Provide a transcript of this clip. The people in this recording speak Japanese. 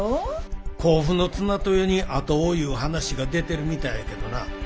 甲府の綱豊に跡をいう話が出てるみたいやけどな。